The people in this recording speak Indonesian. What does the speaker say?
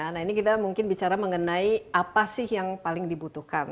nah ini kita mungkin bicara mengenai apa sih yang paling dibutuhkan